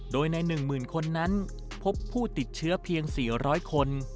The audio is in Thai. โดยใน๑๐๐๐คนนั้นพบผู้ติดเชื้อเพียง๔๐๐คน